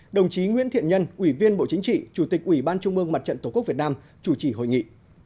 đồng chí nguyễn thiện nhân ủy viên bộ chính trị chủ tịch ủy ban trung mương mặt trận tổ quốc việt nam chủ trì hội nghị